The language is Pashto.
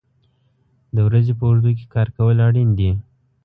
د ورځې په اوږدو کې کار کول اړین دي.